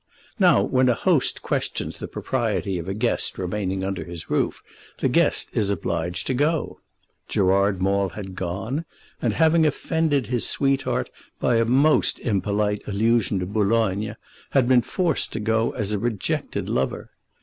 Now, when a host questions the propriety of a guest remaining under his roof, the guest is obliged to go. Gerard Maule had gone; and, having offended his sweetheart by a most impolite allusion to Boulogne, had been forced to go as a rejected lover.